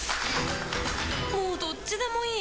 もうどっちでもいい！